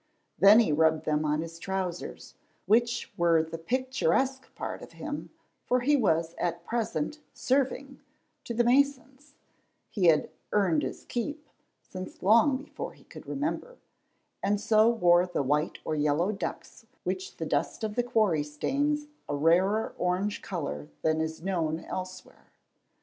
Then he rubbed them on his trousers, which were the picturesque part of him, for he was at present "serving" to the masons (he had "earned his keep" since long before he could remember), and so wore the white or yellow ducks which the dust of the quarry stains a rarer orange color than is known elsewhere.